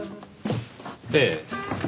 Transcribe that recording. ええ。